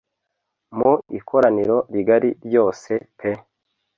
mu ikoraniro rigari ryose pe